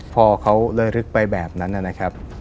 พอเขาระลึกไปแบบนั้นนะครับ